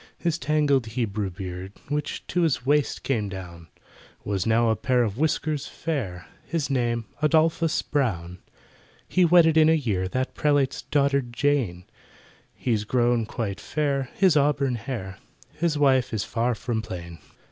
His tangled Hebrew beard, Which to his waist came down, Was now a pair of whiskers fair— His name ADOLPHUS BROWN! He wedded in a year That prelate's daughter JANE, He's grown quite fair—has auburn hair— His wife is far from plain.